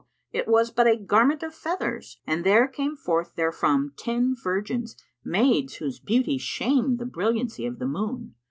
it was but a garment of feathers, and there came forth therefrom ten virgins, maids whose beauty shamed the brilliancy of the moon.